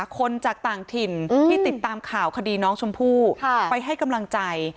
คนจากต่างถิ่นที่ติดตามข่าวคดีน้องชมพู่ไปให้กำลังใจ